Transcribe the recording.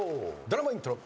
ドラマイントロ。